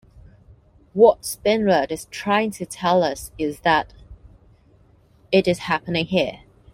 What Spinrad is trying to tell us is that it is happening here.